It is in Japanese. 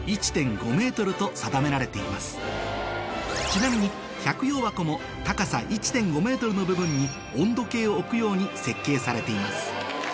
ちなみに百葉箱も高さ１．５ｍの部分に温度計を置くように設計されています